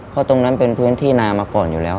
เพราะตรงนั้นเป็นพื้นที่นามาก่อนอยู่แล้ว